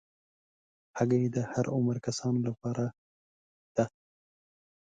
هګۍ د هر عمر کسانو لپاره ده.